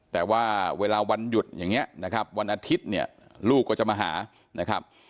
แต่ว่าเวลาวันหยุดอย่างนี้นะครับวันอาทิตย์เนี่ยลูกก็จะมาหานะครับ